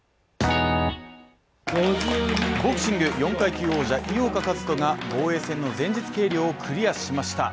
ボクシング４階級王者、井岡一翔が防衛戦の前日計量をクリアしました。